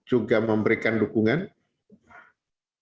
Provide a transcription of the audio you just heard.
dan juga memberikan dukungan untuk memperbolehkan liga satu